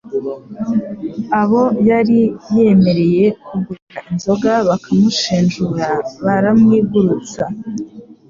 Abo yari yemereye kugurira inzoga bakamushinjura baramwigurutsa